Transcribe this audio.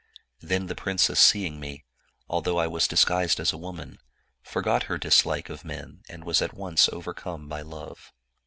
* Then the princess seeing me, although I was dis guised as a woman, forgot her dislike of men, and was at once overcome by love.